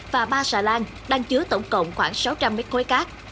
và ba xà lan đang chứa tổng cộng khoảng sáu trăm linh mét khối cát